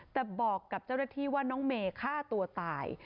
แต่บอกกับเจ้าหน้าที่ว่าน้องเมย์ฆ่าตัวตาย